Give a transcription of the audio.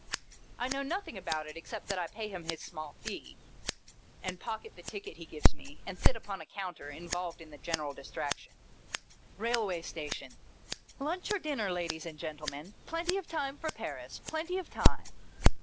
I know nothing about it, except that I pay him his small fee, and pocket the ticket he gives me, and sit upon a counter, involved in the general distraction. Railway station. " Lunch or dinner, ladies and gentlemen. Plenty of time for Paris. Plenty of time